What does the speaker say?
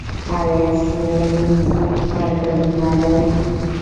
آیا څیړنیز مرکزونه لرو؟